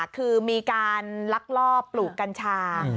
คือมีการลักลอบปลูกกัญชา